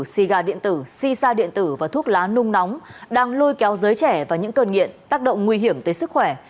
si ga điện tử si sa điện tử và thuốc lá nung nóng đang lôi kéo giới trẻ và những cơn nghiện tác động nguy hiểm tới sức khỏe